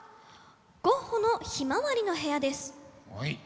ゴッホの「ヒマワリ」の部屋です。